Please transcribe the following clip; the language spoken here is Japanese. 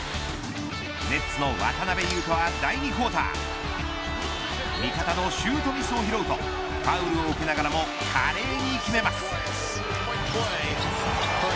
ネッツの渡邊雄太は第２クオーター味方のシュートミスを拾うとファウルを受けながらも華麗に決めます。